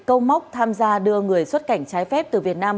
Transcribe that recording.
câu móc tham gia đưa người xuất cảnh trái phép từ việt nam